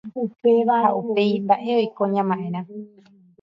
ha upéi mba’e oiko ña ma’érã